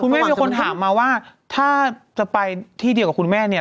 แม่มีคนถามมาว่าถ้าจะไปที่เดียวกับคุณแม่เนี่ย